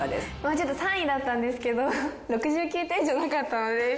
ちょっと３位だったんですけど６９点じゃなかったので。